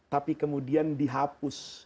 tapi kemudian dihapus